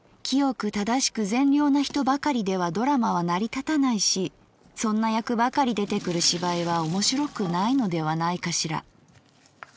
清く正しく善良な人ばかりではドラマは成り立たないしそんな役ばかり出てくる芝居は面白くないのではないかしら。